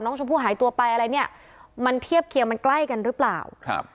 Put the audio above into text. น้องชมพู่หายตัวไปอะไรเนี่ยมันเทียบเคียงมันใกล้กันหรือเปล่าครับ